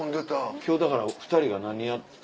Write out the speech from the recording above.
今日だから２人が何やって。